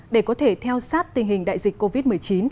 để có thể theo sát tình hình đại dịch covid một mươi chín